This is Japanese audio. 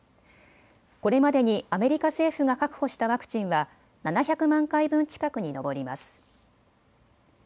これまでにアメリカ政府が確保したワクチンは７００万回分近くに上ります。